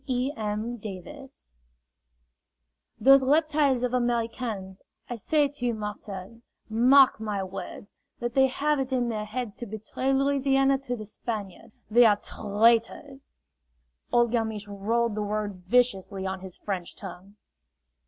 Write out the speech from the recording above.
E. M. Davis "Those reptiles of Americans, I say to you, Marcel, mark my words! that they have it in their heads to betray Louisiana to the Spaniard. They are tr r raitors!" Old Galmiche rolled the word viciously on his French tongue.